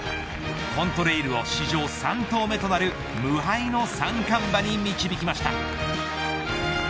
コントレイルを史上３頭目となる無敗の三冠馬に導きました。